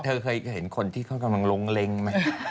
เธอเคยเห็นคนที่เขากำลังลงเล็งไหม